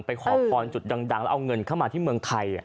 ขอพรจุดดังแล้วเอาเงินเข้ามาที่เมืองไทย